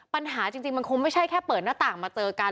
ปัญหาจริงมันคงไม่ใช่แค่เปิดหน้าต่างมาเจอกัน